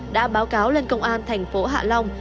đã báo cáo lên công an thành phố hạ long